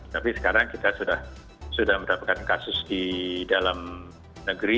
tapi sekarang kita sudah mendapatkan kasus di dalam negeri